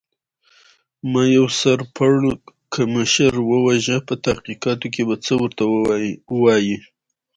ما یو سر پړکمشر و وژه، په تحقیقاتو کې به څه ورته وایې؟